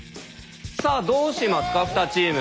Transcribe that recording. さあどうしますか２チーム。